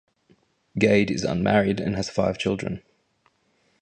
Gade is unmarried and has five children.